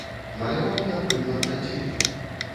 Маляваў я прыкладна дзень.